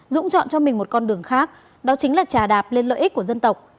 dũng chọn cho mình một con đường khác đó chính là trà đạp lên lợi ích của dân tộc